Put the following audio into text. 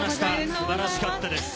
素晴らしかったです！